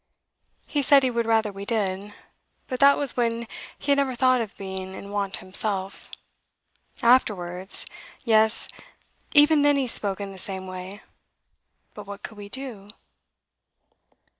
'He said he would rather we did. But that was when he had never thought of being in want himself. Afterwards yes, even then he spoke in the same way; but what could we do?